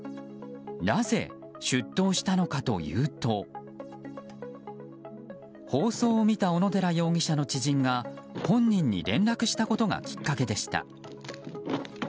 なぜ出頭したのかというと放送を見た小野寺容疑者の知人が本人に連絡したことがきっかけでした。